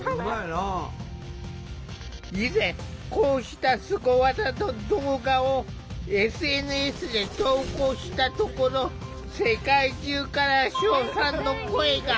以前こうしたスゴ技の動画をＳＮＳで投稿したところ世界中から称賛の声が。